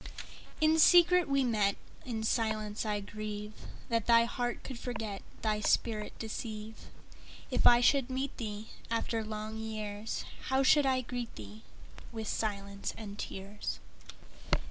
In secret we met:In silence I grieveThat thy heart could forget, Thy spirit deceive. If I should meet theeAfter long years, How should I greet thee?—With silence and tears.